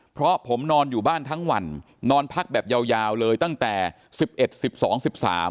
เพราะผมนอนอยู่บ้านทั้งวันนอนพักแบบยาวยาวเลยตั้งแต่สิบเอ็ดสิบสองสิบสาม